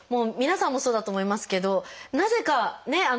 皆さんもそうだと思いますけどなぜかね